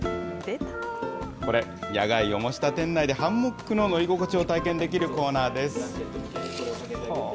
これ、野外を模した店内で、ハンモックの乗り心地を体験できるコーナーです。